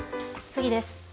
次です。